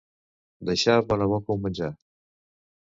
Deixar bona boca un menjar.